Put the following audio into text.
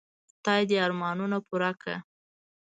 خدای دي ارمانونه پوره کړه .